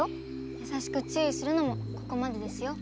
やさしくちゅういするのもここまでですよ。